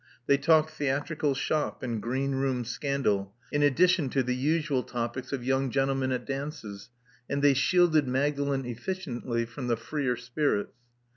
They talked theatrical shop and green room scandal in addition to 148 Love Among the Artists the usual topics of young gentlemen at dances; and they shielded Magdalen efficiently from the freer spirits.